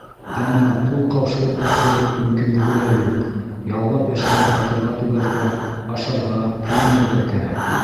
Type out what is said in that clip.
Әммә ҡул ҡаушырып ултырырлыҡ мөмкинлеге лә юҡ: яллап йәшәгән фатирға түләргә, ашарға, кейенергә кәрәк.